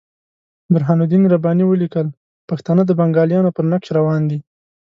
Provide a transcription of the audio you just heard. برهان الدین رباني ولیکل پښتانه د بنګالیانو پر نقش روان دي.